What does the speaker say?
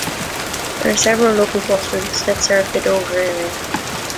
There are several local bus routes that serve the Dover area.